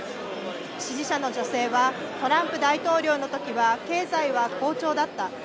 支持者の女性はトランプ大統領のときは経済は好調だった。